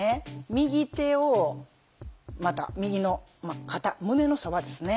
右手をまた右の肩胸のそばですね